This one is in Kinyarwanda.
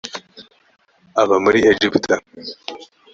aba muri egiputa .